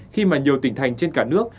khi mà nhiều tỉnh thành trên cả nước